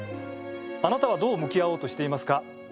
あなたはどう向き合おうとしていますか？